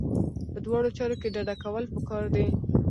په دواړو چارو کې ډډه کول پکار دي.